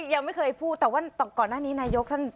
ยังไม่เคยพูดแต่ว่าก่อนหน้านี้นายกท่าน